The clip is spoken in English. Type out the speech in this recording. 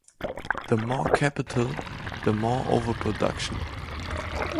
The more Capital, the more 'overproduction.